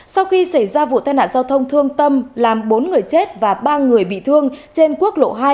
sau khi xảy ra vụ tai nạn giao thông thương tâm làm bốn người chết và ba người bị thương trên quốc lộ hai